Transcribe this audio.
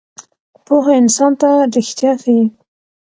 پوهه انسان ته ریښتیا ښیي.